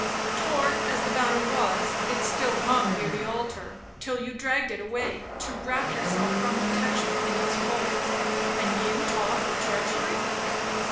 Torn as the banner was, it still hung near the altar, till you dragged it away, to wrap yourself from detection in its folds,—and you talk of treachery?